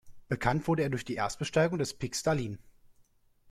Bekannt wurde er durch die Erstbesteigung des Pik Stalin.